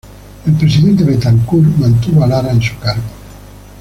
El presidente Betancur mantuvo a Lara en su cargo.